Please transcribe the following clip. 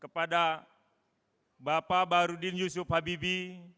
kepada bapak barudin yusuf habibi